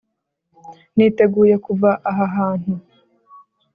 niteguye kuva aha hantu.